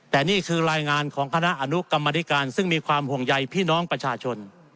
แต่นี่คือรายงานของคณะอนุกรรมธิการซึ่งมีความห่วงใยพี่น้องประชาชน